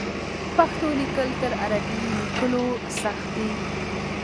پښتو لیکل تر عربي لیکلو سخت دي.